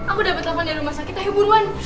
aku dapet telepon dari rumah sakit ayo buruan